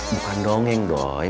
bukan dongeng doi